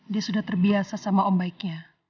dia sudah terbiasa sama om baiknya